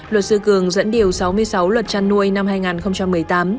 luật sư cường dẫn điều sáu mươi sáu luật chăn nuôi năm hai nghìn một mươi tám